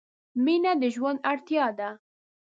مینه د ژوند اړتیا ده.